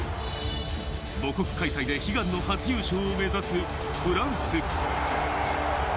母国開催で悲願の初優勝を目指すフランス。